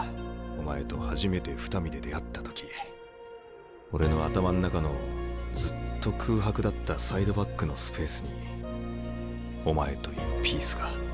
お前と初めて双海で出会った時俺の頭の中のずっと空白だったサイドバックのスペースにお前というピースが。